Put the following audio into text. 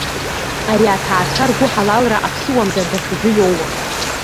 Ари аҭаацәа ргәыҳалалра аԥсыуамзар даҽаӡәы иоуам.